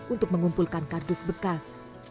untuk mengumpulkan kardus bekas